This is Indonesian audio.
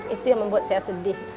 itu yang membuat saya sedih